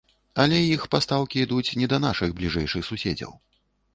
Але іх пастаўкі ідуць не да нашых бліжэйшых суседзяў.